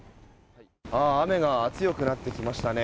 雨が強くなってきましたね。